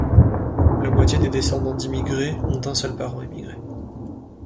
La moitié des descendants d’immigrés ont un seul parent immigré.